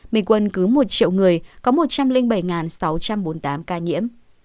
bình quân cứ một triệu người có một trăm linh bảy sáu trăm bốn mươi tám ca nhiễm